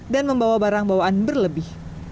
dan membawa barang bawaan berlebih